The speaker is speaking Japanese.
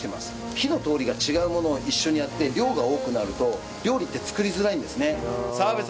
火の通りが違うものを一緒にやって量が多くなると料理って作りづらいんですね。